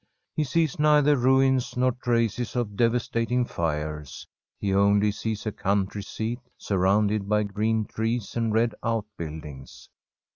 He sees neither ruins nor traces of devastating fires ; he only sees a country seat, surrounded by green trees and red outbuildings.